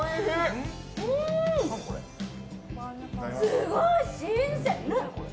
すごい！新鮮！